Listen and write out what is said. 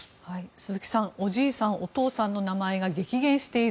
鈴木さん、おじいさんお父さんの名前が激減している。